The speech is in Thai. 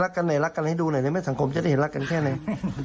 กันไหนรักกันให้ดูหน่อยได้ไหมสังคมจะได้เห็นรักกันแค่ไหน